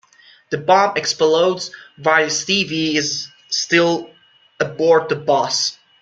The bomb explodes while Stevie is still aboard the bus.